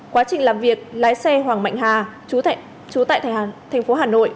quá trình làm việc lái xe hoàng mạnh hà chú tại tp hà nội